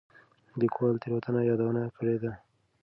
ليکوال تېروتنه يادونه کړې ده.